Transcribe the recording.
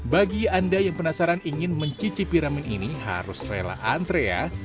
bagi anda yang penasaran ingin mencicipi ramen ini harus rela antre ya